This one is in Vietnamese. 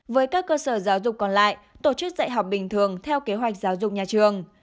với các cơ sở giáo dục còn lại tổ chức dạy học bình thường theo kế hoạch giáo dục nhà trường